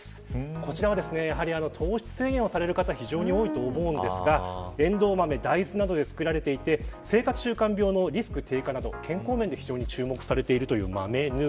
こちらは糖質制限をされる方が非常に多いと思いますがえんどう豆、大豆などで作られていて生活習慣病のリスク低下など健康面で注目されています。